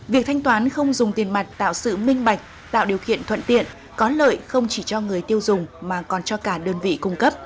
việc thanh toán không dùng tiền mặt tạo sự minh bạch tạo điều kiện thuận tiện có lợi không chỉ cho người tiêu dùng mà còn cho cả đơn vị cung cấp